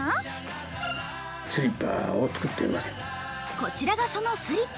こちらがそのスリッパ。